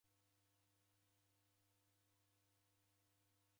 Funya nguw'o rose.